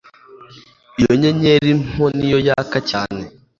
Iyo nyenyeri nto niyo yaka cyane